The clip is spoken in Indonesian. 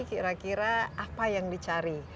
kira kira apa yang dicari